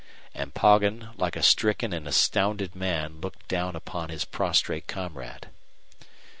And Poggin, like a stricken and astounded man, looked down upon his prostrate comrade.